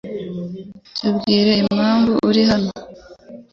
Tubwire impamvu uri hano .